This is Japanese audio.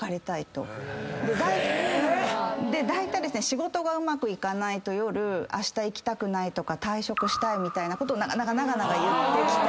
仕事がうまくいかないと夜「あした行きたくない」とか「退職したい」みたいなことを長々言ってきたり。